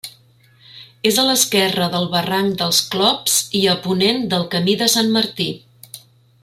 És a l'esquerra del barranc dels Clops i a ponent del Camí de Sant Martí.